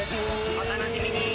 お楽しみに。